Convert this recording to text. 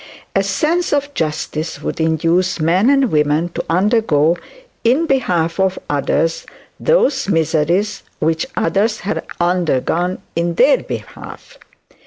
A sense of justice would induce men and women to undergo, in behalf of others, those miseries which others had undergone on their behalf.